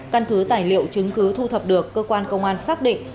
căn cứ tài liệu chứng cứ thu thập được cơ quan công an xác định